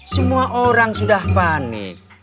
semua orang sudah panik